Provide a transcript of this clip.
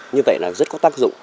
như vậy là rất có tác dụng